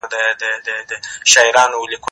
زه پرون کتابتون ته راځم وم!؟